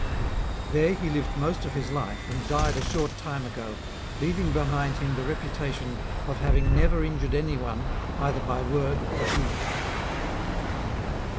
There he lived most of his life, and died a short time ago, leaving behind him the reputation of having never injured any one either by word or deed.